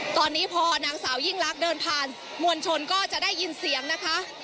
ตอนนี้พอนางสาวยิ่งลักษณ์เดินผ่านมวลชนก็จะได้ยินเสียงนะคะ